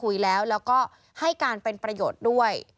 ก็เรียกมาพูดคุยแล้วแล้วก็ให้การเป็นประโยชน์ด้วย